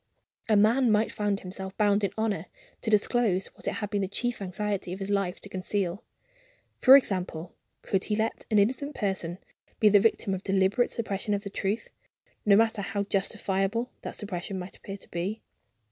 A man might find himself bound in honor to disclose what it had been the chief anxiety of his life to conceal. For example, could he let an innocent person be the victim of deliberate suppression of the truth no matter how justifiable that suppression might appear to be?